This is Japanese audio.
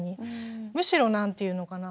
むしろ何て言うのかな。